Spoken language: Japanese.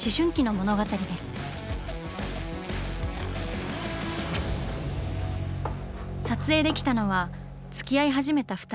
撮影できたのはつきあい始めた二人のキスシーン。